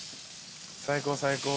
最高最高。